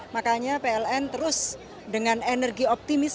makanya pln terus dengan energi optimis